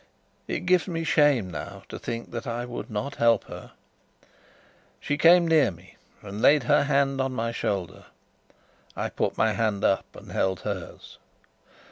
It gives me shame now to think that I would not help her. She came near me and laid her hand on my shoulder. I put my hand up and held hers.